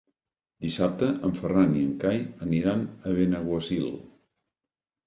Dissabte en Ferran i en Cai aniran a Benaguasil.